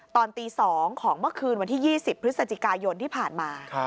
ตอนตี๒ของเมื่อคืนวันที่๒๐พฤศจิกายนที่ผ่านมา